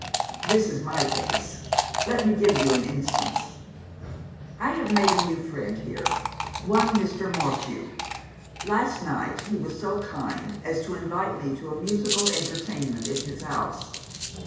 "This is my case. Let me give you an instance. "I have made a new friend here one Mr. Morphew. Last night, he was so kind as to invite me to a musical entertainment at his house.